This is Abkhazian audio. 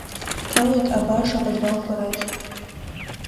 Ҳҭалоит абааш аподвалқәа рахь.